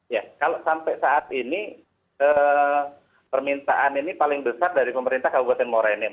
ya kalau sampai saat ini permintaan ini paling besar dari pemerintah kabupaten muara enim